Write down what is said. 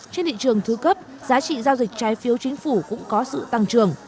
trên thị trường thứ cấp giá trị giao dịch trái phiếu chính phủ cũng có sự tăng trưởng